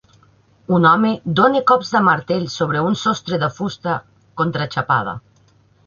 Un home dona cops de martell sobre un sostre de fusta contraxapada.